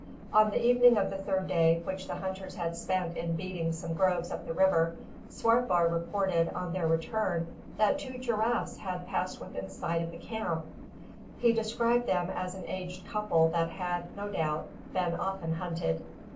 On the evening of the third day which the hunters had spent in beating some groves up the river, Swartboy reported, on their return, that two giraffes had passed within sight of the camp. He described them as an aged couple that had, no doubt, been often hunted.